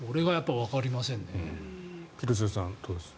廣津留さんどうです。